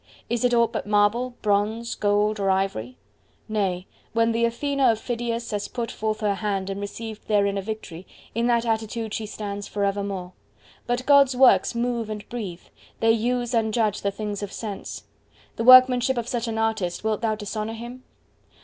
Is it aught but marble, bronze, gold, or ivory? Nay, when the Athena of Phidias has put forth her hand and received therein a Victory, in that attitude she stands for evermore. But God's works move and breathe; they use and judge the things of sense. The workmanship of such an Artist, wilt thou dishonor Him?